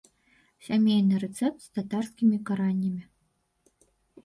Сямейны рэцэпт з татарскімі каранямі.